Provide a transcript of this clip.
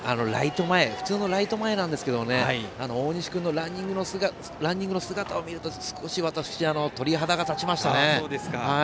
普通のライト前なんですけど大西君のランニングの姿を見ると少し私、鳥肌が立ちましたね。